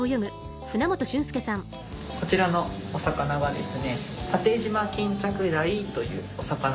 こちらのお魚はですね